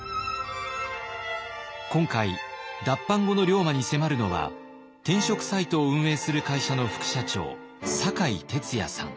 今回脱藩後の龍馬に迫るのは転職サイトを運営する会社の副社長酒井哲也さん。